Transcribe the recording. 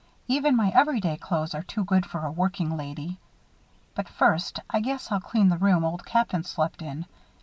Even my everyday clothes are too good for a working lady. But first, I guess I'll clean the room Old Captain slept in.